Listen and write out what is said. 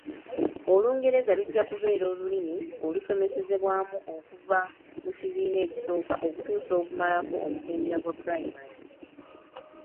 Olungereza lujja kubeera olulimi olusomesezebwamu okuva mu kibiina ekisooka okutuusa okumalako omutendera gwa pulayimale.